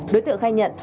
đối tượng khai nhận